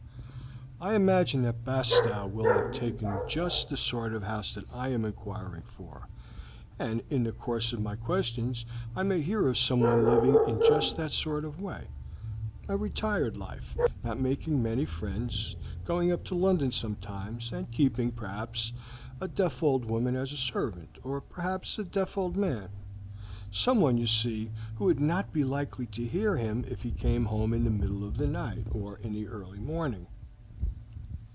"I imagine that Bastow will have taken just the sort of house that I am inquiring for, and in the course of my questions I may hear of someone living in just that sort of way a retired life, not making many friends, going up to London sometimes, and keeping, perhaps, a deaf old woman as a servant, or perhaps a deaf old man someone, you see, who would not be likely to hear him if he came home in the middle of the night, or in the early morning.